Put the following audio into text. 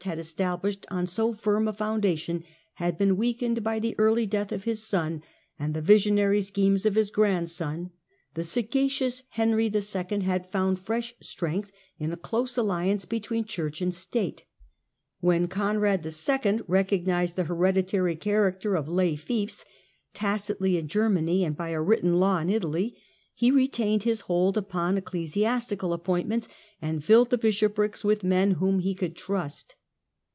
had established on so firm a foundation had been weakened by the early death of his son and the visionary schemes of his grandson, the sagacious Henry 11. had found fresh strength in a close alliance between Church and State. When Conrad II. recognized the hereditary character of lay fiefs, tacitly in Germany, and by a written law in Italy, he retained his hold upon ecclesiastical appointments, and filled the bishoprics with men whom he could trust.